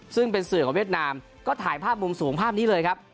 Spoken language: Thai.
ซึ่งเป็นสื่อของเวียดนามก็ถ่ายภาพมุมสูงภาพนี้เลยครับ